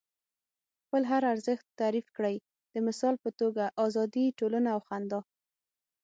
خپل هر ارزښت تعریف کړئ. د مثال په توګه ازادي، ټولنه او خندا.